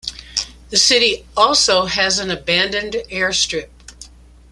The city also has an abandoned airstrip.